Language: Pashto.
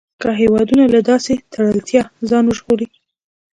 که هېوادونه له داسې تړلتیا ځان وژغوري.